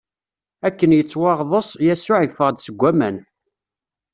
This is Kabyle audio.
Akken yettwaɣḍeṣ, Yasuɛ iffeɣ-d seg waman.